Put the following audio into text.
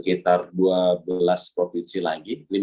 sekitar dua belas provinsi lagi lima belas